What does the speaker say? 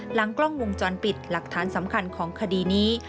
หลังกล้องวงจรปิดหลักฐานสำคัญของคดีนี้